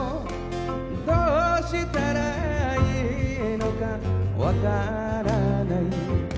「どうしたらいいのかわからない」